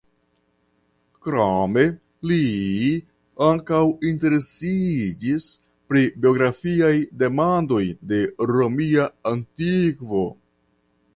Krome li ankaŭ interesiĝis pri biografiaj demandoj de romia antivko.